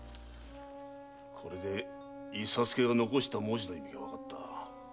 これで伊左助が残した文字の意味がわかった。